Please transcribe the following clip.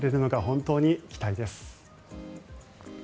本当に期待です。